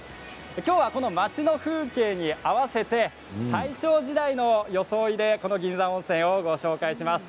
今日は町の風景に合わせて大正時代の装いでこの銀山温泉をご紹介します。